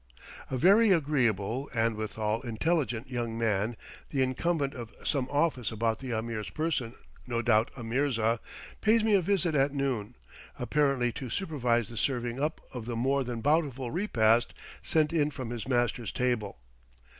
A very agreeable, and, withal, intelligent young man, the incumbunt of some office about the Ameer's person, no doubt a mirza, pays me a visit at noon, apparently to supervise the serving up of the more than bountiful repast sent in from his master's table.